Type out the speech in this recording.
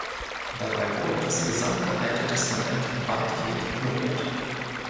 Dabei wurde das gesamte Alte Testament weitgehend ignoriert.